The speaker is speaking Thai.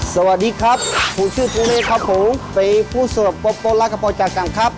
สวัสดีครับผมชื่อทงเลครับผมเป็นผู้ส่วนป๊อปโต๊ะลักพอจากกรรมครับ